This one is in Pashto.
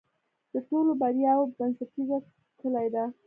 د ټولو بریاوو بنسټیزه کلي ده.